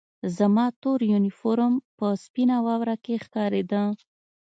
زما تور یونیفورم په سپینه واوره کې ښکارېده